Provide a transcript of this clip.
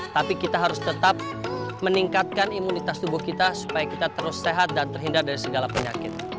tapi kita harus tetap meningkatkan imunitas tubuh kita supaya kita terus sehat dan terhindar dari segala penyakit